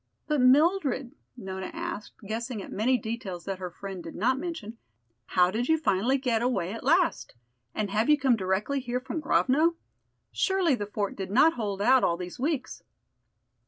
"But Mildred," Nona asked, guessing at many details that her friend did not mention, "how did you finally get away at last? And have you come directly here from Grovno? Surely the fort did not hold out all these weeks."